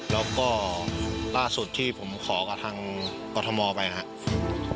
แล้วก็ล่าสุดที่ผมขอกับทางกรทมไปนะครับ